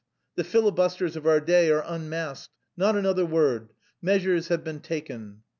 The filibusters of our day are unmasked. Not another word. Measures have been taken...."